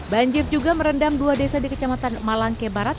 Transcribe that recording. banjir juga merendam dua desa di kecamatan malangke barat